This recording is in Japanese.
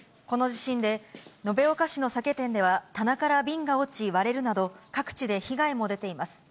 この地震で、延岡市の酒店では、棚から瓶が落ち割れるなど、各地で被害も出ています。